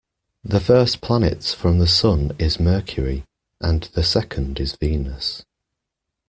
The first planet from the sun is Mercury, and the second is Venus